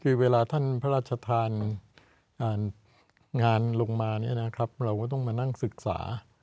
คือเวลาท่านพระราชธรรมอ่านงานลงมาเนี้ยนะครับเราก็ต้องมานั่งศึกษา